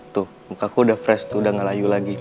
tuh mukaku udah fresh tuh udah ga layu lagi